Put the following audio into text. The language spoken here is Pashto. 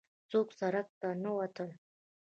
څوک سړک ته نه وتل.